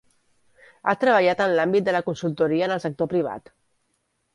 Ha treballat en l'àmbit de la consultoria en el sector privat.